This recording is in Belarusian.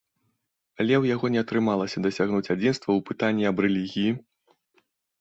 Але ў яго не атрымалася дасягнуць адзінства ў пытанні аб рэлігіі.